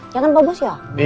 ya kan pak bos